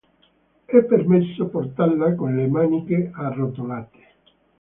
È permesso portarla con le maniche arrotolate.